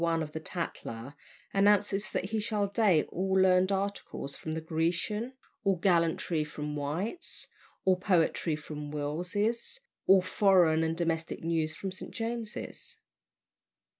1 of the Tatler, announces that he shall date all learned articles from the "Grecian," all gallantry from "White's," all poetry from "Wills's," all foreign and domestic news from "St. James's."